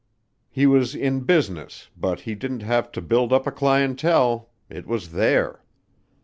He was in business but he didn't have to build up a clientele it was there.